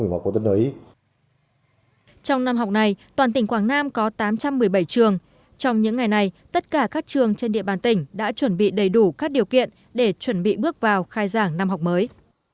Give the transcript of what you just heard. để chuẩn bị cho năm học mới toàn tỉnh quảng nam đã đầu tư xây mới hơn bốn trăm ba mươi phòng học và xây mới hàng trăm công trình vệ sinh đồng thời mua sắm các trang thiết bị dạy học với tổng kinh phí hơn một hai trăm linh tỷ đồng